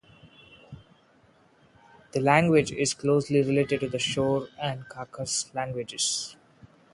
The language is closely related to the Shor and Khakas languages.